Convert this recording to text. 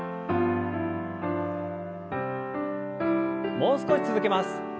もう少し続けます。